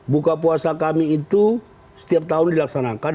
buka puasa kami itu setiap tahun dilaksanakan